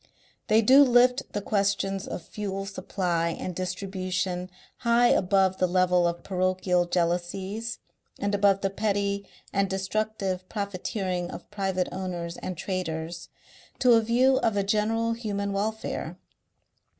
They do lift the questions of fuel supply and distribution high above the level of parochial jealousies and above the petty and destructive profiteering of private owners and traders, to a view of a general human welfare.